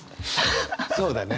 そうだね。